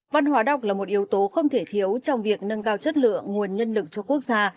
văn hóa đọc là một yếu tố không thể thiếu trong việc nâng cao chất lượng nguồn nhân lực cho quốc gia